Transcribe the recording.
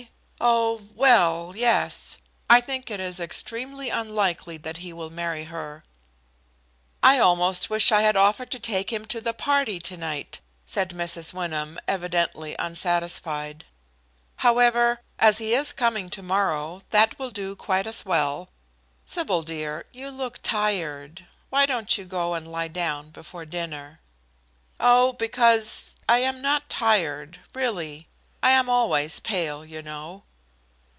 Oh well, yes. I think it is extremely unlikely that he will marry her." "I almost wish I had offered to take him to the party to night," said Mrs. Wyndham, evidently unsatisfied. "However, as he is coming to morrow, that will do quite as well. Sybil, dear, you look tired. Why don't you go and lie down before dinner?" "Oh, because I am not tired, really. I am always pale, you know."